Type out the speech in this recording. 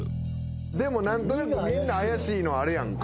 でも何となくみんな怪しいのはあるやんか。